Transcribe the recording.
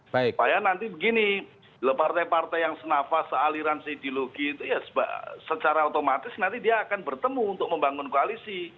supaya nanti begini loh partai partai yang senafas aliran ideologi itu ya secara otomatis nanti dia akan bertemu untuk membangun koalisi